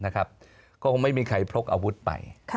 ก็คงไม่มีใครพกอาวุธไป